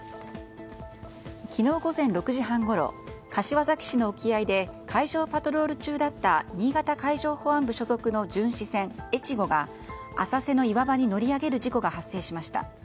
昨日午前６時半ごろ柏崎市の沖合で海上パトロール中だった新潟海上保安部所属の巡視船「えちご」が浅瀬の岩場に乗り上げる事故が発生しました。